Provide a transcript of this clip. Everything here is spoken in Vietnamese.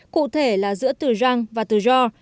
cụ thể là giữa từ răng và từ ro